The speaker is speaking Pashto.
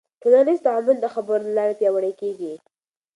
ټولنیز تعامل د خبرو له لارې پیاوړی کېږي.